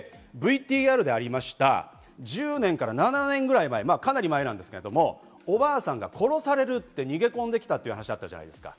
ＶＴＲでありました１０年から７年ぐらい前、かなり前ですが、おばあさんが殺されると逃げ込んできたという話があったじゃないですか。